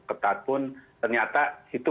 ketat pun ternyata itu